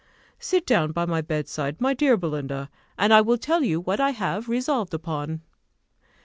Sit down by my bedside, my dear Belinda, and I will tell you what I have resolved upon."